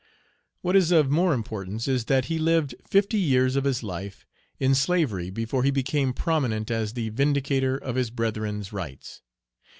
What is of more importance is that he lived fifty years of his life in slavery before he became prominent as the vindicator of his brethren's rights.